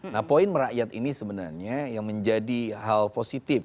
nah poin merakyat ini sebenarnya yang menjadi hal positif